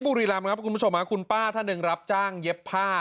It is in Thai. บุรีรำครับคุณผู้ชมคุณป้าท่านหนึ่งรับจ้างเย็บผ้า